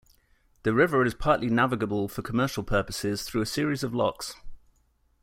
The river is partly navigable for commercial purposes through a series of locks.